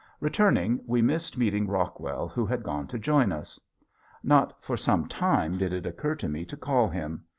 Returning we missed meeting Rockwell who had gone to join us. Not for some time did it occur to me to call him.